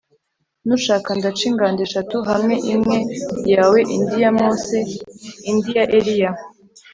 Nushaka ndaca ingando eshatu hano, imwe yawe, indi ya Mose, indi ya Eliya.